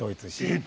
えっ？